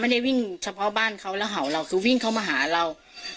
ไม่ได้วิ่งเฉพาะบ้านเขาแล้วเห่าเราคือวิ่งเข้ามาหาเรา